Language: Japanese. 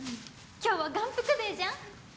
今日は眼福デーじゃん。